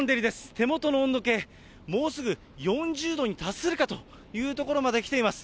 手元の温度計、もうすぐ４０度に達するかというところまできています。